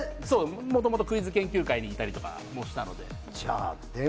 もともとクイズ研究会にいたりしたので。